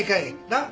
なっ？